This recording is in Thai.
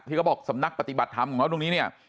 เขาบอกสำนักปฏิบัติธรรมของเขาตรงนี้เนี่ย